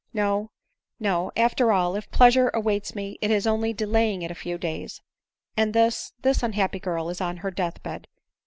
No, no ; after all, if pleasure awaits me, it is only delaying it a few days ; and this, this unhappy girl is on her death bed.